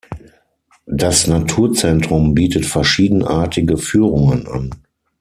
Das Naturzentrum bietet verschiedenartige Führungen an.